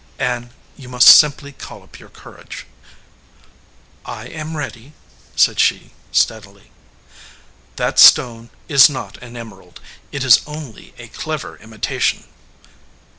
"Ann, you must simply call up your courage." "I am ready," said she, steadily. "That stone is not an emerald. It is only a clever imitation."